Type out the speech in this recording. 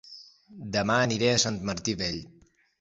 Dema aniré a Sant Martí Vell